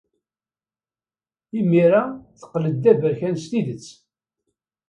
Imir-a teqqled d aberkan s tidet.